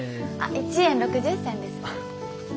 １円６０銭です。